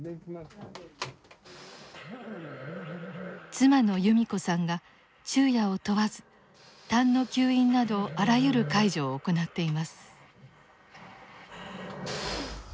妻の由味子さんが昼夜を問わずたんの吸引などあらゆる介助を行っています。